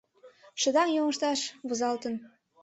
Шыдаҥ йоҥышташ возалтын.